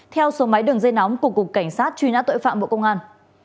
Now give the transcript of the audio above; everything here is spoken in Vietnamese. theo số máy đường dây nóng của cục cảnh sát truy nã tội phạm bộ công an